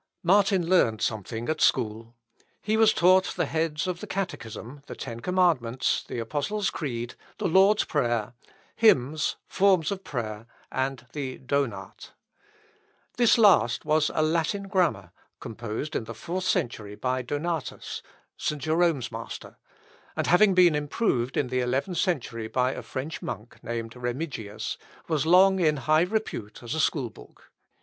Martin learned something at school. He was taught the heads of the Catechism, the Ten Commandments, the Apostles' Creed, the Lord's Prayer, hymns, forms of prayer, and the Donat. This last was a Latin grammar, composed in the fourth century by Donatus, St. Jerome's master; and having been improved in the eleventh century by a French monk, named Remigius, was long in high repute as a school book.